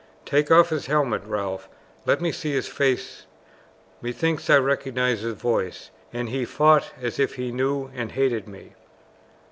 "Take off his helmet, Ralph. Let me see his face. Methinks I recognized his voice, and he fought as if he knew and hated me."